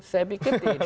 saya pikir tidak